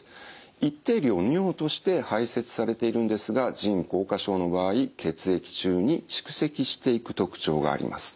一定量尿として排せつされているんですが腎硬化症の場合血液中に蓄積していく特徴があります。